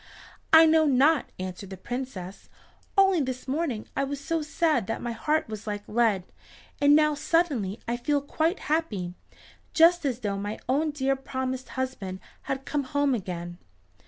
"I know not," answered the Princess. "Only this morning I was so sad that my heart was like lead, and now suddenly I feel quite happy, just as though my own dear promised husband had come home again."